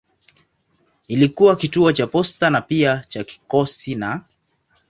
Ilikuwa kituo cha posta na pia cha kikosi na.